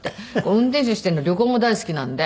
運転手しているので旅行も大好きなんで。